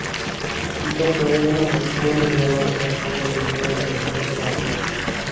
যশোরের বেনাপোল সীমান্ত দিয়ে গতকাল সোমবার দুপুরে তাদের ভারতে পাঠানো হয়।